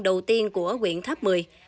đầu tiên của quyện tháp một mươi